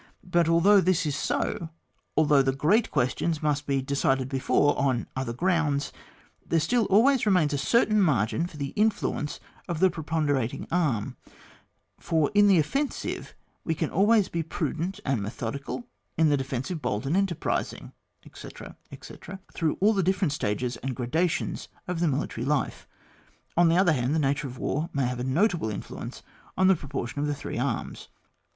But although this is so, although the great questions must be decided before on other grounds, there still always remains a certain margin for the influence of the prepon derating arm, for in the offensive we can always be prudent and methodical, in the defensive bold and enterprising, etc., etc., through all the different stages and gradations of Ihe military life. On the other hand, the nature of a war may have a notable influence on the proportions of the three arms.